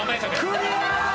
クリア。笑